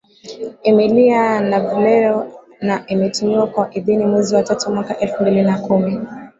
Emília Nhalevilo na imetumiwa kwa idhini Mwezi wa tatu mwaka elfu mbili na kumi